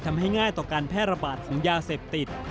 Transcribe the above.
ง่ายต่อการแพร่ระบาดของยาเสพติด